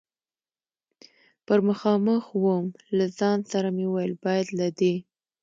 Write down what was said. پر مخامخ ووم، له ځان سره مې وویل: باید له دې.